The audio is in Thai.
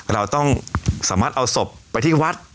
เราต้องสามารถเอาศพไปที่วัด